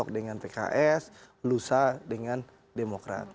dengan pks lusa dengan demokrat